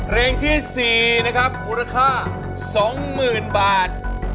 เร่งที่สี่นะครับมูลค่าสองหมื่นบาท